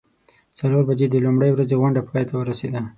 څلور بجې د لومړۍ ورځې غونډه پای ته ورسیده.